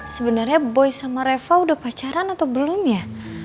sebenarnya boy sama reva udah pacaran atau belum ya